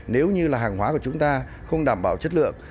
nếu như là hàng hóa của chúng ta không đảm bảo chất lượng